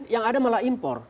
yang ada malah impor